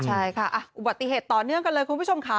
ใช่ค่ะอุบัติเหตุต่อเนื่องกันเลยคุณผู้ชมค่ะ